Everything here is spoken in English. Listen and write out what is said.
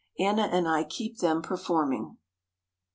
Anna and I keep them performing.